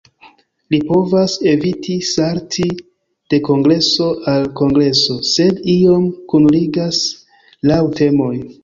Li provas eviti salti de kongreso al kongreso, sed iom kunligas laŭ temoj.